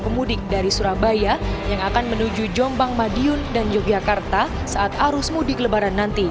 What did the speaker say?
pemudik dari surabaya yang akan menuju jombang madiun dan yogyakarta saat arus mudik lebaran nanti